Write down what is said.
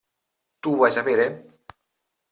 Tu vuoi sapere?